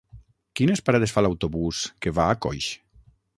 Quines parades fa l'autobús que va a Coix?